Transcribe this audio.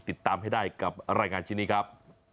ติดตามให้ได้กับรายงานชิ้นนี้ครับ